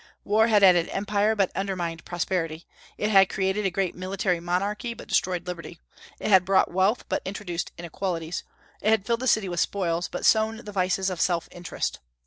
War had added empire, but undermined prosperity; it had created a great military monarchy, but destroyed liberty; it had brought wealth, but introduced inequalities; it had filled the city with spoils, but sown the vices of self interest.